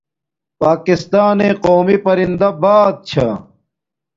پاکستانݵ قومی پرندہ باز چھا